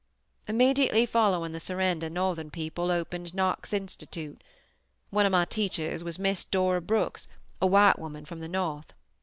"Immediately following the surrender northern people opened Knox Institute. One of my teachers was Miss Dora Brooks, a white woman from the North.